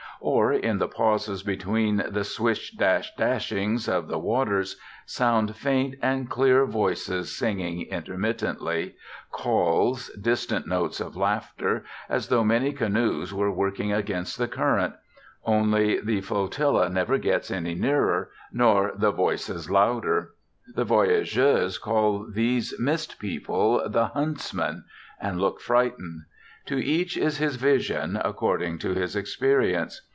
Or, in the pauses between the swish dash dashings of the waters, sound faint and clear voices singing intermittently, calls, distant notes of laughter, as though many canoes were working against the current only the flotilla never gets any nearer, nor the voices louder. The voyageurs call these mist people the Huntsmen; and look frightened. To each is his vision, according to his experience.